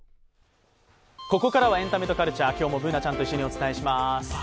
ここからはエンタメとカルチャー今日もＢｏｏｎａちゃんと一緒にお伝えします。